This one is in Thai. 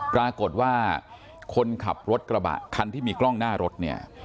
ปรากฏว่าคนขับรถกระบะคันที่มีกล้องหน้ารถเนี่ย